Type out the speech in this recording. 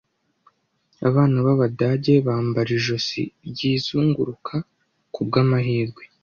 Abana b'Abadage bambara ijosi ryizunguruka kubwamahirwe